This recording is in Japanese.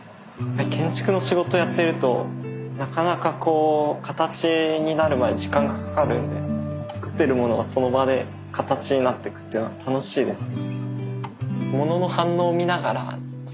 建築の仕事やってるとなかなかこう形になるまで時間がかかるんで作っている物がその場で形になっていくっていうのは楽しいです。